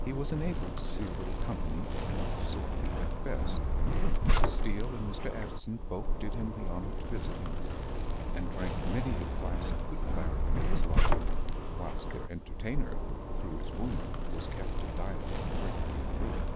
He was enabled to see a little company and of the sort he liked best. Mr. Steele and Mr. Addison both did him the honor to visit him; and drank many a glass of good claret at his lodging, whilst their entertainer, through his wound, was kept to diet drink and gruel.